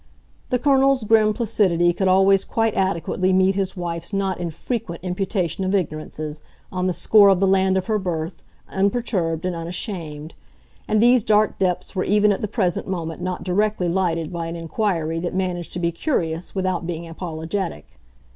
The Colonel's grim placidity could always quite adequately meet his wife's not infrequent imputation of ignorances, on the score of the land of her birth, unperturbed and unashamed; and these dark depths were even at the present moment not directly lighted by an inquiry that managed to be curious without being apologetic.